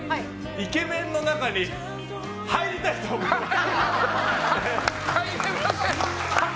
イケメンの中に入りたいと思います。